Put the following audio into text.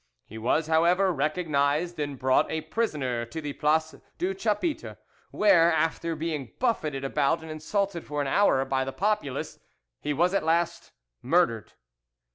He was, however, recognised and brought a prisoner to the place du Chapitre, where, after being buffeted about and insulted for an hour by the populace, he was at last murdered.